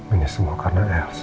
ini semua karena els